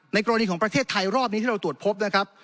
กรณีของประเทศไทยรอบนี้ที่เราตรวจพบนะครับ